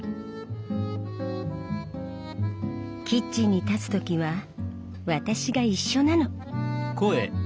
キッチンに立つ時は私が一緒なの。